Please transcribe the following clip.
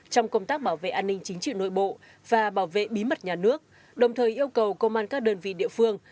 trong công tác bảo vệ an ninh chính trị nội bộ và bảo vệ bí mật nhà nước đồng thời yêu cầu công an các đơn vị địa phương